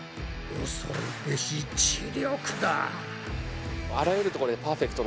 恐るべし知力だ。